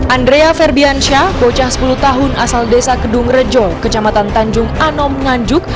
andrea ferdiansyah bocah sepuluh tahun asal desa kedung rejo kecamatan tanjung anom nganjuk